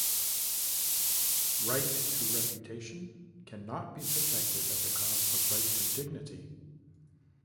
Right to reputation cannot be protected at the cost of right to dignity.